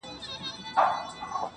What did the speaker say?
• ډېر پخوا د نیل د سیند پر پوري غاړه -